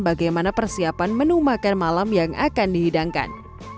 bagaimana persiapan menu makan malam yang akan dihidangkan